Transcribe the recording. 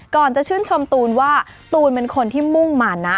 ก่อนจะชื่นชมตูนว่าตูนเป็นคนที่มุ่งมานะ